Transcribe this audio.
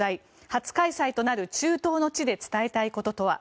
初開催となる中東の地で伝えたいこととは。